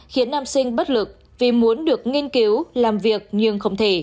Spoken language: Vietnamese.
khiến nam sinh bất lực vì muốn được nghiên cứu làm việc nhưng không thể